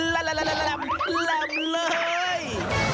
ละละละละลำเลย